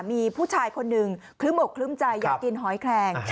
มีผู้ชายคนหนึ่งคลึ้มอกคลึ้มใจอยากกินหอยแคลง